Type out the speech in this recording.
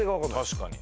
確かに。